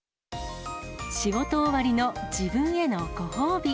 仕事終わりの自分へのご褒美。